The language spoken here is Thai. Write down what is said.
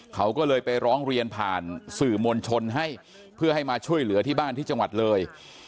เขาก็เลยไปร้องเรียนผ่านสื่อมวลชนให้เพื่อให้มาช่วยเหลือที่บ้านที่จังหวัดเลย